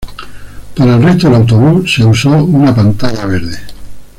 Para el resto del autobús, se usó una pantalla verde.